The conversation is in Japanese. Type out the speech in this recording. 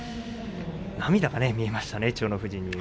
涙が見えましたね、千代の富士。